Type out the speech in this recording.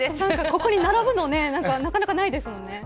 ここに並ぶのなかなかないですもんね。